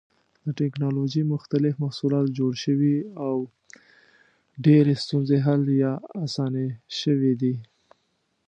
د ټېکنالوجۍ مختلف محصولات جوړ شوي او ډېرې ستونزې حل یا اسانې شوې دي.